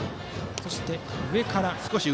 そして上から。